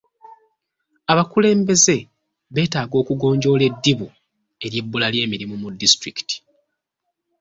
Abakulembeze beetaaga okugonjoola eddibu ery'ebbula ly'emirimu mu disitulikiti .